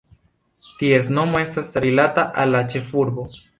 Ties nomo estas rilata al la ĉefurbo.